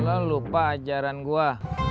buku aku di mana